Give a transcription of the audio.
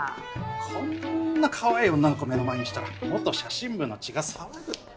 こんなカワイイ女の子目の前にしたら元写真部の血が騒ぐって。